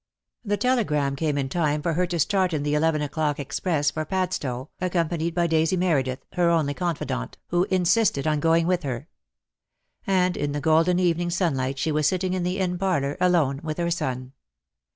The telegram came in time for her to start in the eleven o'clock express for Padstow, accompanied by Daisy Meredith, her only confidant, who in sisted on going with her; and in the golden evening sunlight she was sitting in the Inn parlour, alone with her son.